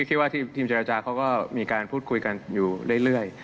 คิดว่าทีมเจรจาเขาก็มีการพูดคุยกันอยู่เรื่อย